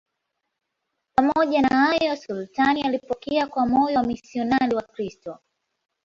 Pamoja na hayo, sultani alipokea kwa moyo wamisionari Wakristo.